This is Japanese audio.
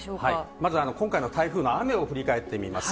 まず今回の台風の雨を振り返ってみます。